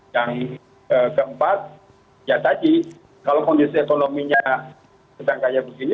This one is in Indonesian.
yang keempat ya tadi kalau kondisi ekonominya sedang kayak begini